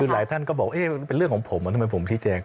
หลายท่านก็บอกเป็นเรื่องของผมทำไมผมชี้แจง